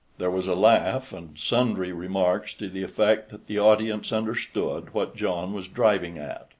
There was a laugh, and sundry remarks to the effect that the audience understood what John was driving at.